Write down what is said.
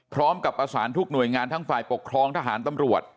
พร้อมกับประสานทุกหน่วยงานทั้งฝ่ายปกครองทหารตำรวจ